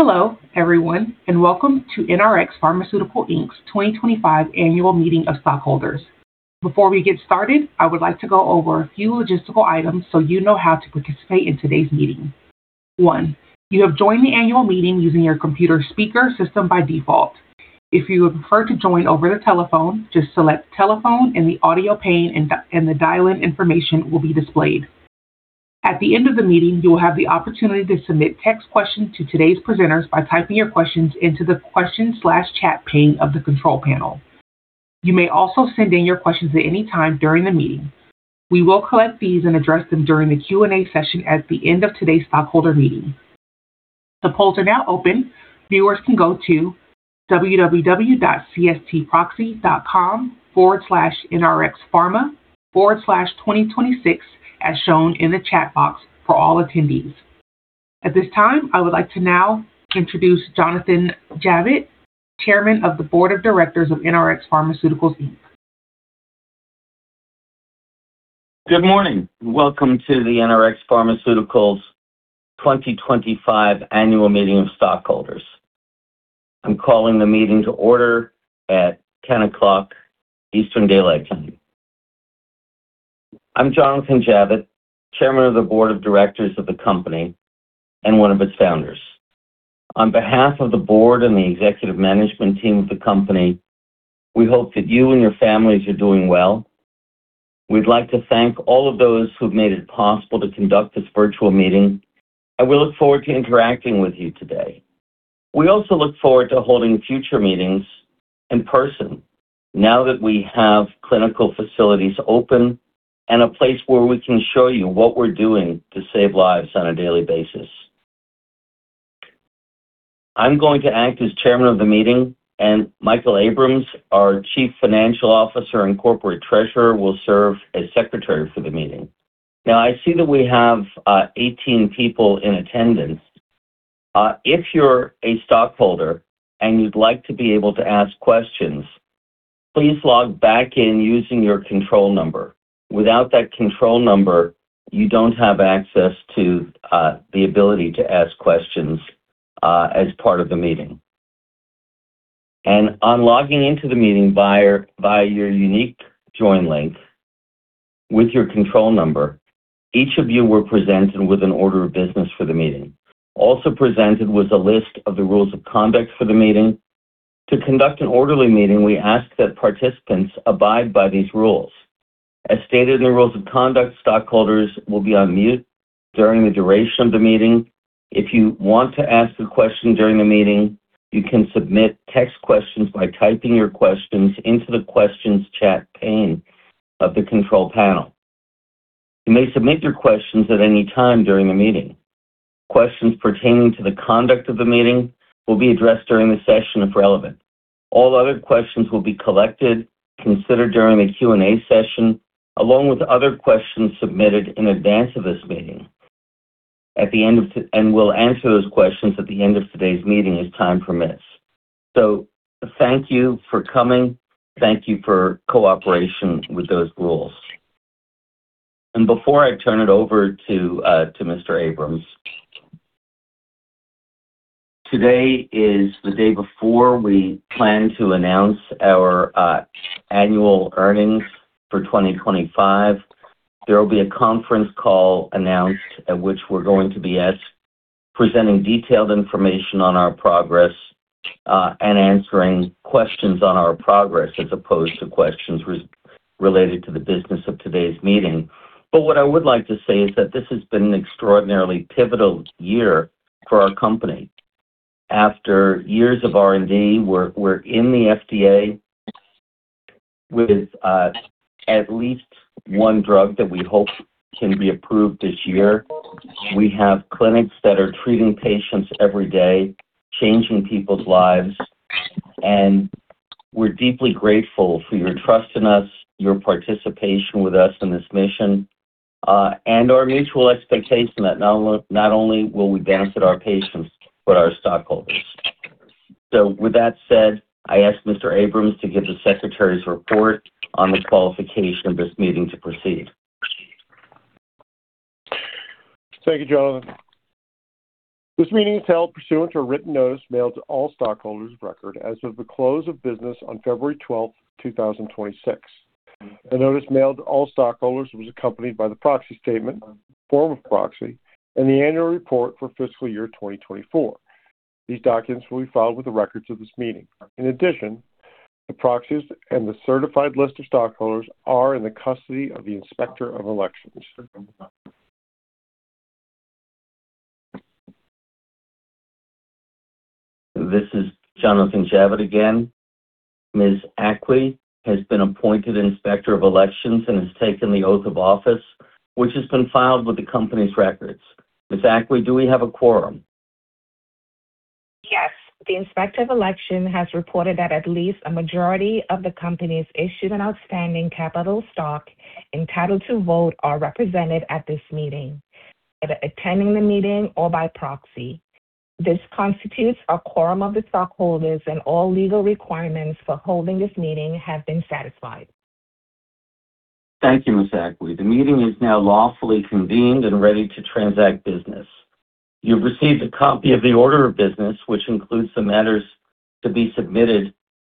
Hello, everyone, and welcome to NRx Pharmaceuticals, Inc.'s 2025 Annual Meeting of Stockholders. Before we get started, I would like to go over a few logistical items so you know how to participate in today's meeting. One, you have joined the annual meeting using your computer speaker system by default. If you would prefer to join over the telephone, just select telephone in the audio pane and the dial-in information will be displayed. At the end of the meeting, you will have the opportunity to submit text questions to today's presenters by typing your questions into the question/chat pane of the control panel. You may also send in your questions at any time during the meeting. We will collect these and address them during the Q&A session at the end of today's stockholder meeting. The polls are now open. Viewers can go to www.cstproxy.com/nrxpharma/2026, as shown in the chat box for all attendees. At this time, I would like to now introduce Jonathan Javitt, Chairman of the Board of Directors of NRx Pharmaceuticals, Inc. Good morning. Welcome to the NRx Pharmaceuticals 2025 Annual Meeting of Stockholders. I'm calling the meeting to order at 10:00 A.M. Eastern Daylight Time. I'm Jonathan Javitt, Chairman of the Board of Directors of the company and one of its founders. On behalf of the board and the executive management team of the company, we hope that you and your families are doing well. We'd like to thank all of those who've made it possible to conduct this virtual meeting, and we look forward to interacting with you today. We also look forward to holding future meetings in person now that we have clinical facilities open and a place where we can show you what we're doing to save lives on a daily basis. I'm going to act as Chairman of the meeting and Michael Abrams, our Chief Financial Officer and Corporate Treasurer, will serve as secretary for the meeting. Now, I see that we have 18 people in attendance. If you're a stockholder and you'd like to be able to ask questions, please log back in using your control number. Without that control number, you don't have access to the ability to ask questions as part of the meeting. On logging into the meeting via your unique join link with your control number, each of you were presented with an order of business for the meeting. Also presented was a list of the rules of conduct for the meeting. To conduct an orderly meeting, we ask that participants abide by these rules. As stated in the rules of conduct, stockholders will be on mute during the duration of the meeting. If you want to ask a question during the meeting, you can submit text questions by typing your questions into the questions chat pane of the control panel. You may submit your questions at any time during the meeting. Questions pertaining to the conduct of the meeting will be addressed during the session if relevant. All other questions will be collected, considered during the Q&A session, along with other questions submitted in advance of this meeting. We'll answer those questions at the end of today's meeting as time permits. Thank you for coming. Thank you for cooperation with those rules. Before I turn it over to Mr. Abrams, today is the day before we plan to announce our annual earnings for 2025. There will be a conference call announced at which we're going to be presenting detailed information on our progress, and answering questions on our progress as opposed to questions related to the business of today's meeting. What I would like to say is that this has been an extraordinarily pivotal year for our company. After years of R&D, we're in the FDA with at least one drug that we hope can be approved this year. We have clinics that are treating patients every day, changing people's lives, and we're deeply grateful for your trust in us, your participation with us in this mission, and our mutual expectation that not only will we benefit our patients, but our stockholders. With that said, I ask Mr. Abrams to give the secretary's report on the qualification of this meeting to proceed. Thank you, Jonathan. This meeting is held pursuant to a written notice mailed to all stockholders of record as of the close of business on February 12, 2026. The notice mailed to all stockholders was accompanied by the proxy statement, form of proxy, and the annual report for fiscal year 2024. These documents will be filed with the records of this meeting. In addition, the proxies and the certified list of stockholders are in the custody of the Inspector of Elections. This is Jonathan Javitt again. Stacy Acqui has been appointed Inspector of Elections and has taken the oath of office, which has been filed with the company's records. Stacy Acqui, do we have a quorum? Yes. The Inspector of Elections has reported that at least a majority of the company's issued and outstanding capital stock entitled to vote are represented at this meeting, either attending the meeting or by proxy. This constitutes a quorum of the stockholders and all legal requirements for holding this meeting have been satisfied. Thank you, Ms. Acqui. The meeting is now lawfully convened and ready to transact business. You've received a copy of the order of business, which includes the matters to be submitted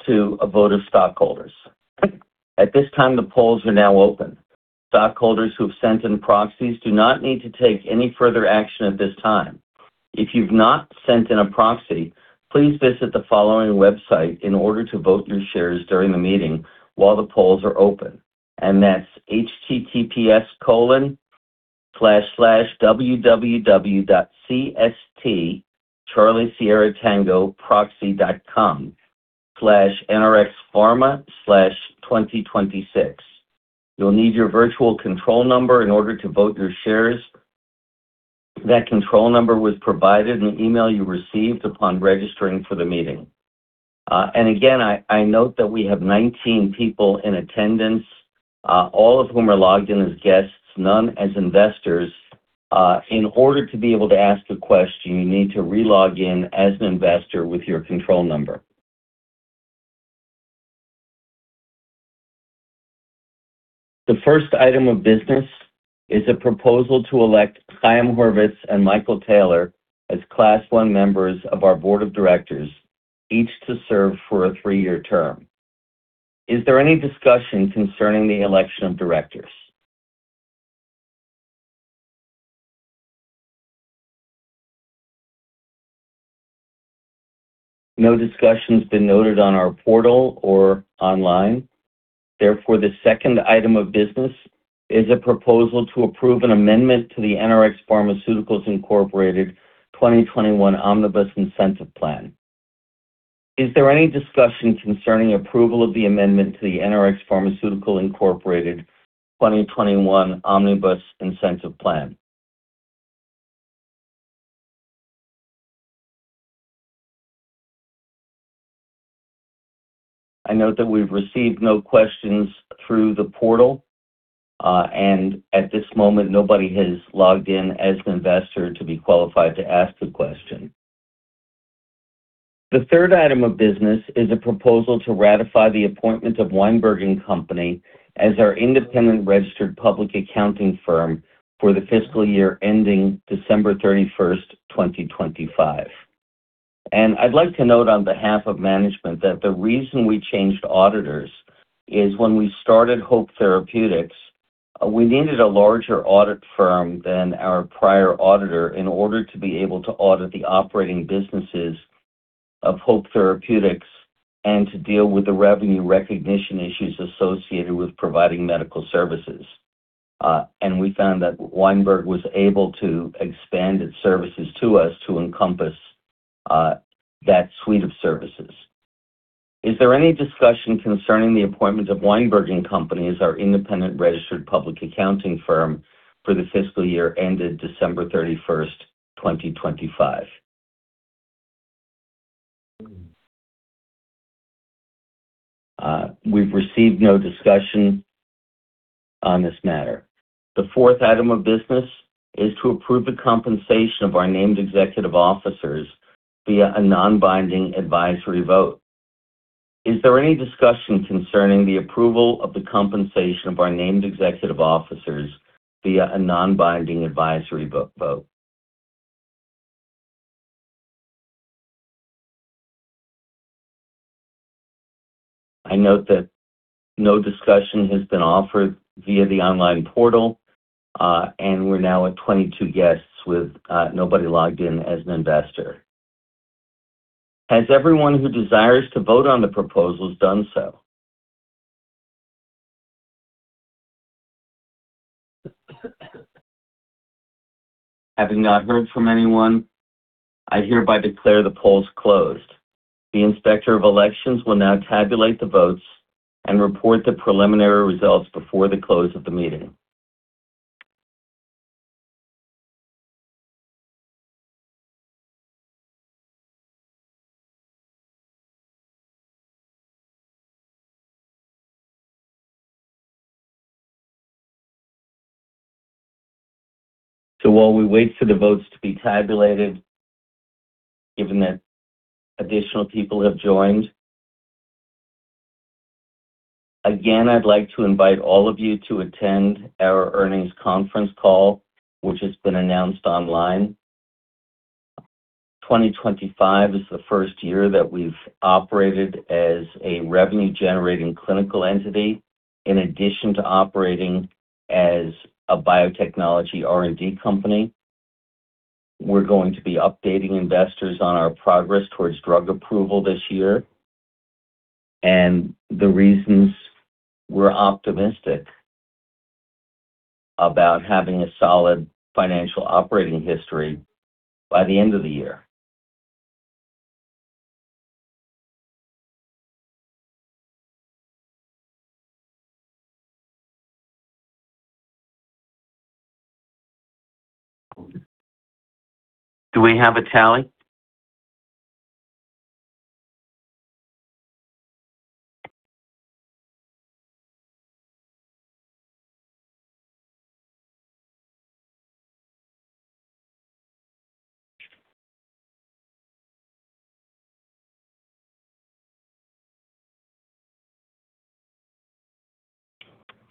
to a vote of stockholders. At this time, the polls are now open. Stockholders who've sent in proxies do not need to take any further action at this time. If you've not sent in a proxy, please visit the following website in order to vote your shares during the meeting while the polls are open, and that's https://www.cstproxy.com/nrxpharma/2026. You'll need your virtual control number in order to vote your shares. That control number was provided in the email you received upon registering for the meeting. I note that we have 19 people in attendance, all of whom are logged in as guests, none as investors. In order to be able to ask a question, you need to re-log in as an investor with your control number. The first item of business is a proposal to elect Chaim Hurvitz and Michael Taylor as Class one members of our board of directors, each to serve for a three-year term. Is there any discussion concerning the election of directors? No discussion's been noted on our portal or online. Therefore, the second item of business is a proposal to approve an amendment to the NRx Pharmaceuticals Incorporated 2021 Omnibus Incentive Plan. Is there any discussion concerning approval of the amendment to the NRx Pharmaceuticals Incorporated 2021 Omnibus Incentive Plan? I note that we've received no questions through the portal, and at this moment, nobody has logged in as an investor to be qualified to ask a question. The third item of business is a proposal to ratify the appointment of Weinberg & Company as our independent registered public accounting firm for the fiscal year ending December 31, 2025. I'd like to note on behalf of management that the reason we changed auditors is when we started HOPE Therapeutics, we needed a larger audit firm than our prior auditor in order to be able to audit the operating businesses of HOPE Therapeutics and to deal with the revenue recognition issues associated with providing medical services. We found that Weinberg & Company was able to expand its services to us to encompass that suite of services. Is there any discussion concerning the appointment of Weinberg & Company as our independent registered public accounting firm for the fiscal year ending December 31, 2025? We've received no discussion on this matter. The fourth item of business is to approve the compensation of our Named Executive Officers via a non-binding advisory vote. Is there any discussion concerning the approval of the compensation of our Named Executive Officers via a non-binding advisory vote? I note that no discussion has been offered via the online portal, and we're now at 22 guests with nobody logged in as an investor. Has everyone who desires to vote on the proposals done so? Having not heard from anyone, I hereby declare the polls closed. The Inspector of Elections will now tabulate the votes and report the preliminary results before the close of the meeting. While we wait for the votes to be tabulated, given that additional people have joined, I'd like to invite all of you to attend our earnings conference call, which has been announced online. 2025 is the first year that we've operated as a revenue-generating clinical entity in addition to operating as a biotechnology R&D company. We're going to be updating investors on our progress towards drug approval this year and the reasons we're optimistic about having a solid financial operating history by the end of the year. Do we have a tally?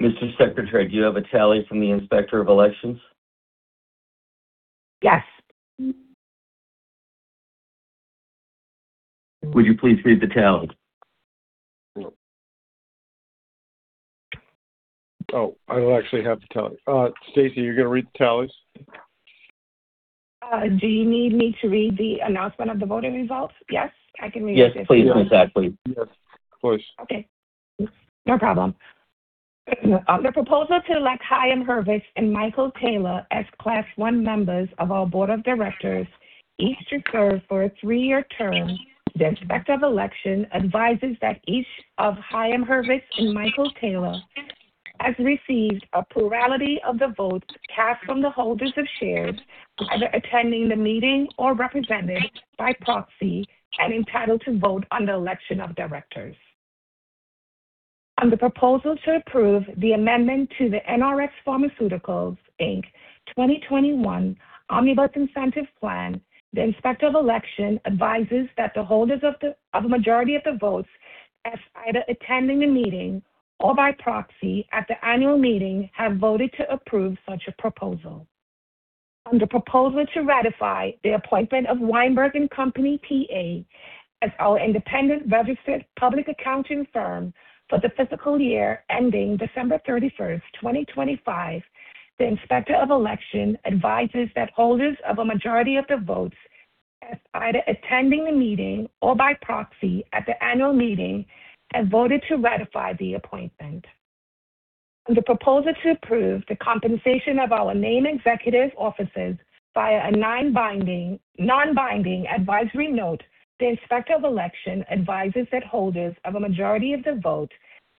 Mr. Secretary, do you have a tally from the Inspector of Elections? Yes. Would you please read the tally? Oh, I don't actually have the tally. Stacy, are you gonna read the tallies? Do you need me to read the announcement of the voting results? Yes? I can read it. Yes, please, Ms. Acqui. Yes, please. Okay. No problem. On the proposal to elect Chaim Hurvitz and Michael Taylor as Class one members of our Board of Directors, each to serve for a three-year term, the Inspector of Elections advises that each of Chaim Hurvitz and Michael Taylor has received a plurality of the votes cast from the holders of shares either attending the meeting or represented by proxy and entitled to vote on the election of directors. On the proposal to approve the amendment to the NRx Pharmaceuticals, Inc. 2021 Omnibus Incentive Plan, the Inspector of Elections advises that the holders of the majority of the votes cast either attending the meeting or by proxy at the annual meeting have voted to approve such a proposal. On the proposal to ratify the appointment of Weinberg & Company, P.A. as our independent registered public accounting firm for the fiscal year ending December 31, 2025, the Inspector of Elections advises that holders of a majority of the votes cast either attending the meeting or by proxy at the annual meeting have voted to ratify the appointment. On the proposal to approve the compensation of our named executive officers via a non-binding advisory vote, the Inspector of Elections advises that holders of a majority of the votes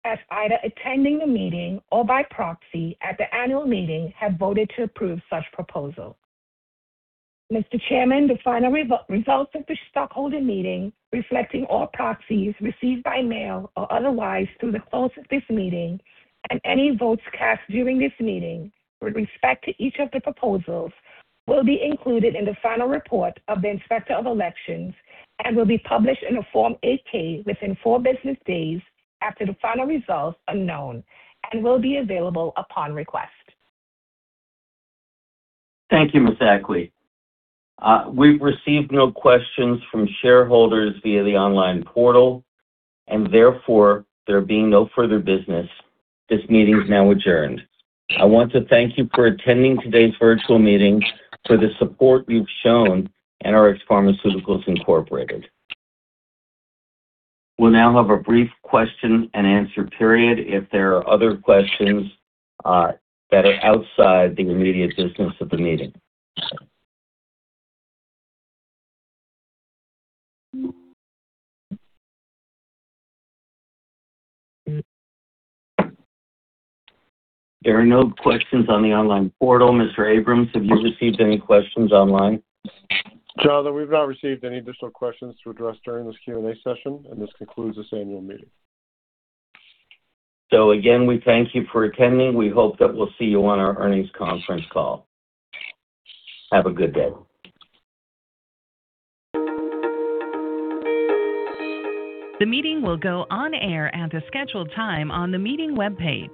cast either attending the meeting or by proxy at the annual meeting have voted to approve such proposal. Mr. Chairman, the final results of the stockholders' meeting, reflecting all proxies received by mail or otherwise through the close of this meeting and any votes cast during this meeting with respect to each of the proposals, will be included in the final report of the Inspector of Elections and will be published in a Form 8-K within four business days after the final results are known and will be available upon request. Thank you, Ms. Acqui. We've received no questions from shareholders via the online portal, and therefore, there being no further business, this meeting is now adjourned. I want to thank you for attending today's virtual meeting, for the support you've shown NRx Pharmaceuticals Incorporated. We'll now have a brief question-and-answer period if there are other questions that are outside the immediate business of the meeting. There are no questions on the online portal. Mr. Abrams, have you received any questions online? Jonathan, we've not received any additional questions to address during this Q&A session, and this concludes this annual meeting. Again, we thank you for attending. We hope that we'll see you on our earnings conference call. Have a good day. The meeting will go on air at the scheduled time on the meeting webpage.